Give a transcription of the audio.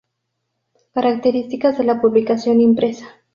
Características de la publicación impresa